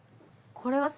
これは。